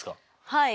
はい。